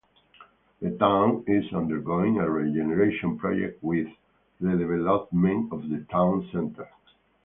The town is undergoing a regeneration project with redevelopment of the town centre.